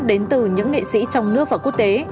đến từ những nghệ sĩ trong nước và quốc tế